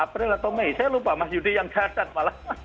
april atau mei saya lupa mas yudi yang datang malah